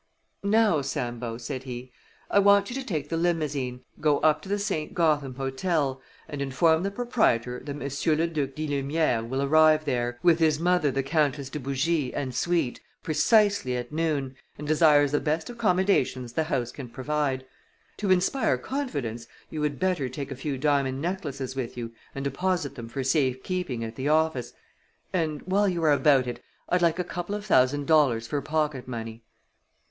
"Now, Sambo," said he, "I want you to take the limousine, go up to the St. Gotham Hotel and inform the proprietor that Monsieur Le Duc di Lumière will arrive there, with his mother the Countess de Bougie, and suite, precisely at noon, and desires the best accommodations the house can provide. To inspire confidence you would better take a few diamond necklaces with you and deposit them for safe keeping at the office; and while you are about it, I'd like a couple of thousand dollars for pocket money."